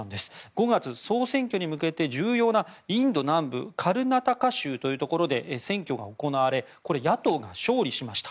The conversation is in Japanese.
５月、総選挙に向けて重要なインド南部カルナタカ州というところで選挙が行われ野党が勝利しました。